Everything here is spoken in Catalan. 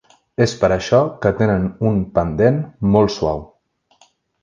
És per això que tenen un pendent molt suau.